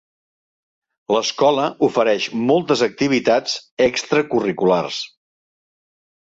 L'escola ofereix moltes activitats extracurriculars.